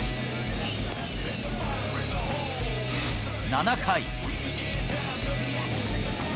７回。